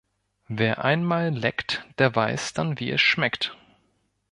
Wer einmal leckt, der weiß dann wie es schmeckt.